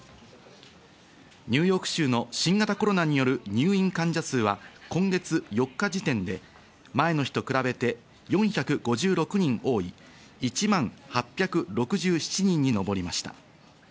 ニューヨーク州の新型コロナによる入院患者数は今月４日時点で前の人比べて４５６人多い、１万８６７人に上りました。